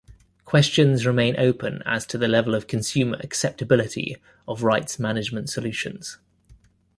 Questions remain open as to the level of consumer acceptability of rights management solutions.